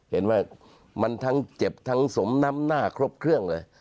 เห็นไหมมันทั้งเจ็บทั้งสมน้ำหน้าครบเครื่องเลย